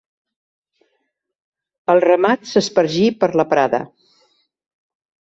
El ramat s'espargí per la prada.